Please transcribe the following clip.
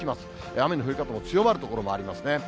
雨の降り方も強まる所もありますね。